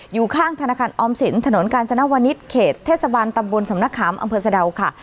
อยู่ข้างธนาคารออมสินถนนกาญจนวนิษฐ์เขตเทศบาลตำบลสำนักขามอำเภอสะดาวค่ะ